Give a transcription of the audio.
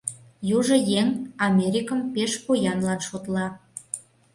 Южо еҥ Америкым пеш поянлан шотла.